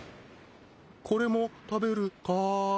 これも食べるかい？